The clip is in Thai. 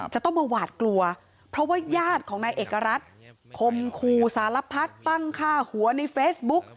จะต้องมาหวาดกลัวเพราะว่าญาติของนายเอกรัฐคมคู่สารพัดตั้งฆ่าหัวในเฟซบุ๊ก